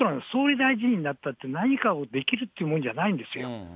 総理大臣になったって、何かをできるというもんじゃないんですよ。